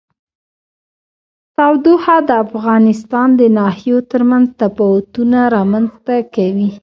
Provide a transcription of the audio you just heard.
تودوخه د افغانستان د ناحیو ترمنځ تفاوتونه رامنځ ته کوي.